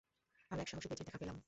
আমরা এক সাহসী বেজির দেখা পেলাম।